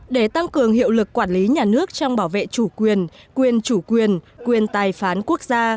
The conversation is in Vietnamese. để tăng cường hiệu lực quản lý nhà nước trong bảo vệ chủ quyền quyền chủ quyền quyền tài phán quốc gia